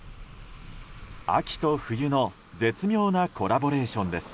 秋と冬の絶妙なコラボレーションです。